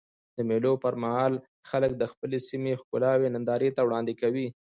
د مېلو پر مهال خلک د خپلي سیمي ښکلاوي نندارې ته وړاندي کوي.